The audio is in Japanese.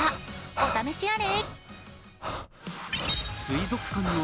お試しあれ。